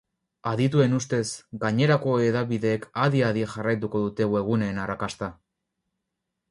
Adituen ustez, gainerako hedabideek adi-adi jarraituko dute webguneen arrakasta.